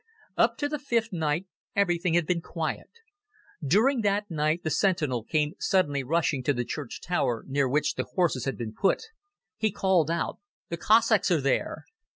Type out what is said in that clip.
Up to the fifth night everything had been quiet. During that night the sentinel came suddenly rushing to the church tower near which the horses had been put. He called out, "The Cossacks are there!"